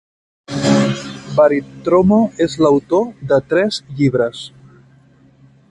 Bartiromo és l'autor de tres llibres.